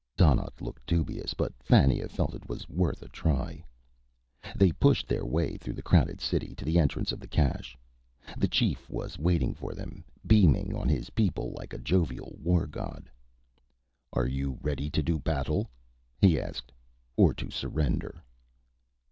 Donnaught looked dubious, but Fannia felt it was worth a try. They pushed their way through the crowded city, to the entrance of the cache. The chief was waiting for them, beaming on his people like a jovial war god. "Are you ready to do battle?" he asked. "Or to surrender?"